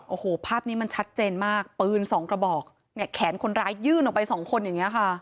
โอ้โหภาพนี้มันชัดเจนมากปืนสองกระบอกเนี่ยแขนคนร้ายยื่นออกไปสองคนอย่างนี้ค่ะ